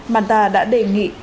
màn ta đã đề nghị